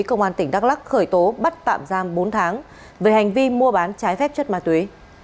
công an tỉnh đắk lắc khởi tố bắt tạm giam bốn tháng về hành vi mua bán trái phép chất ma túy